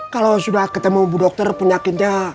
kalau sudah ketemu bu dokter penyakitnya